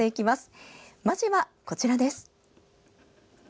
まずはこちらです。